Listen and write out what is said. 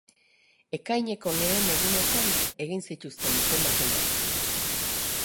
Ekaineko lehen egunetan egin zituzten izendapenak.